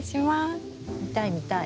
見たい見たい。